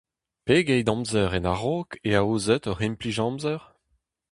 Pegeit amzer en a-raok e aozit hoc'h implij-amzer ?